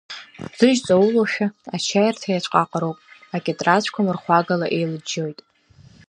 Ӡыжь ҵаулоушәа ачаирҭа иаҵәҟаҟароуп, акьатрацәқәа мырхәагала еилыџьџьоит.